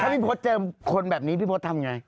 ถ้าพี่โพธเจอคนแบบนี้พี่โพธทำยังไง